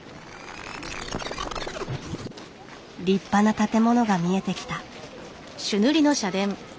立派な建物が見えてきた。